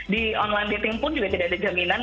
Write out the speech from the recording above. di online dating pun juga tidak ada jaminan